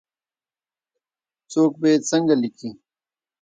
څوک به یې څنګه لیکي ؟